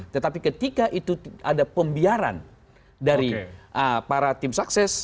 tetapi ketika itu ada pembiaran dari para tim sukses